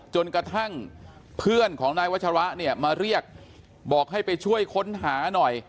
จนกระทั่งเพื่อนของนายวัชระเนี่ยมาเรียกบอกให้ไปช่วยค้นหาหน่อย